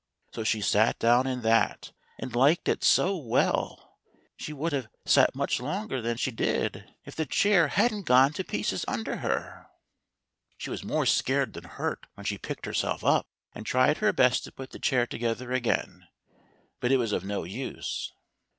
So she sat down in that, and liked it so well, she would have sat much longer than she did if the chair hadn't & gone to pieces under her. She in THE THREE BEARS. was more scared than hurt when she picked herself up and tried her best to put the chair together again ; but it was of no use.